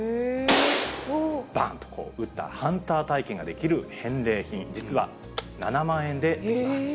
ばんと撃った、ハンター体験ができる返礼品、実は７万円でできます。